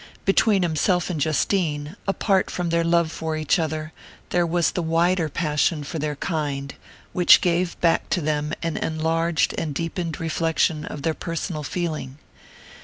Between himself and Justine, apart from their love for each other, there was the wider passion for their kind, which gave back to them an enlarged and deepened reflection of their personal feeling.